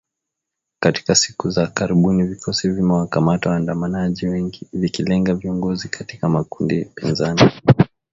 Katika siku za karibuni vikosi vimewakamata waandamanaji wengi , vikilenga viongozi katika makundi pinzani